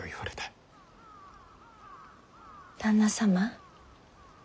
旦那様